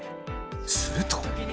すると。